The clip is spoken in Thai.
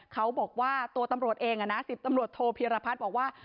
เขาบอกว่าตัวตำรวจเองนะ๑๐ตำรวจโทพีรพัฒน์บอกว่า